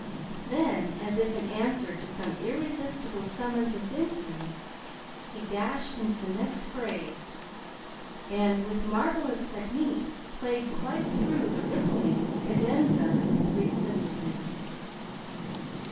Then, as if in answer to some irresistible summons within him, he dashed into the next phrase and, with marvelous technique, played quite through the rippling cadenza that completed the movement.